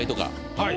はい。